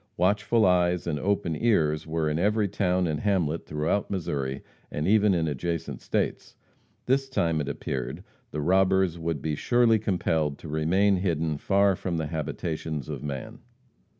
Watchful eyes and open ears were in every town and hamlet throughout Missouri, and even in adjacent states. This time, it appeared, the robbers would be surely compelled to remain hidden far from the habitations of man.